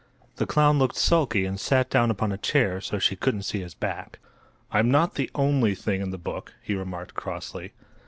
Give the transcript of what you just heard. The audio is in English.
The clown looked sulky and sat down upon a chair so she couldn't see his back. "I'm not the only thing in the book," he remarked, crossly.